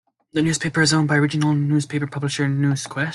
The newspaper is owned by regional newspaper publisher Newsquest.